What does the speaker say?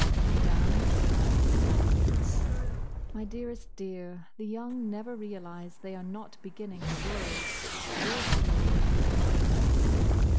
Madame smiled sadly. "My dearest dear, the young never realise they are not beginning the world. Your story is mine."